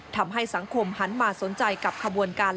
ทำให้สังคมหันมาสนใจกับขบวนการ